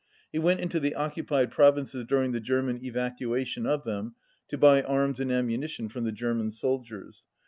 He went into the occupied provinces during the German evacuation of them, to buy arms and ammunition from the German soldiers.